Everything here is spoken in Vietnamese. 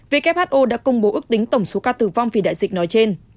who đã công bố ước tính tổng số ca tử vong vì đại dịch nói trên